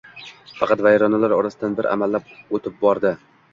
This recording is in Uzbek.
Faqat vayronalar orasidan bir amallab o‘tib bordi